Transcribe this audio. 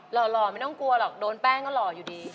หล่อไม่ต้องกลัวหรอกโดนแป้งก็หล่ออยู่ดี